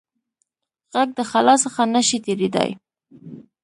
غږ د خلا څخه نه شي تېرېدای.